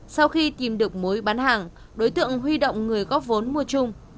sau khi tìm được mối bán hàng đối tượng huy động người góp vốn mua chung